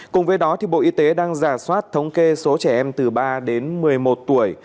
cùng với đó bộ y tế đang giả soát thống kê số trẻ em từ ba đến một mươi một tuổi